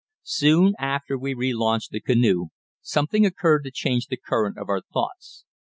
Soon after we relaunched the canoe something occurred to change the current of our thoughts.